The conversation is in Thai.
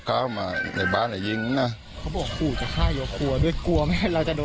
กลัวไหมเราจะโดนลูกหลงไปด้วย